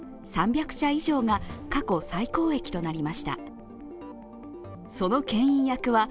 社以上が過去最高益となりました。